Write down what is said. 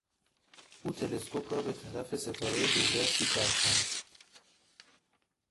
او تلسکوپ را به طرف ستارهی دوردستی چرخاند.